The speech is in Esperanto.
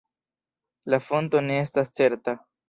La fonto ne estas certa.